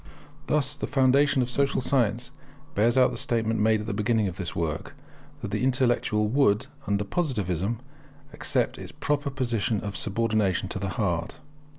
Thus the foundation of social science bears out the statement made at the beginning of this work, that the intellect would, under Positivism, accept its proper position of subordination to the heart.